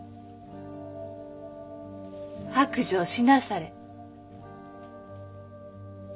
白状しなされ。